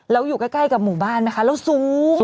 แล้วอยู่ใกล้กับหมู่บ้านไหมคะแล้วสูง